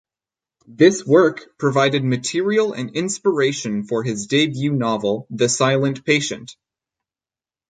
This work provided material and inspiration for his debut novel "The Silent Patient".